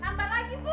tambah lagi bu